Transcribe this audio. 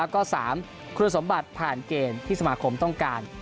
ก็๓คุณสมบัติผ่านเกณฑ์ที่สมาคมต้องการ